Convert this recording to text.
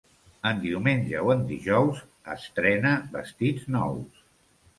En diumenge o en dijous estrena vestits nous.